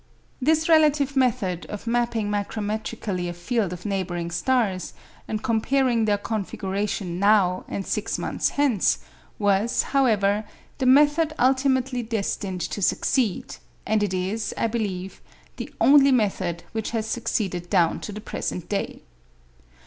This relative method of mapping micrometrically a field of neighbouring stars, and comparing their configuration now and six months hence, was, however, the method ultimately destined to succeed; and it is, I believe, the only method which has succeeded down to the present day.